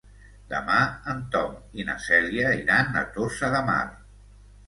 Demà en Tom i na Cèlia iran a Tossa de Mar.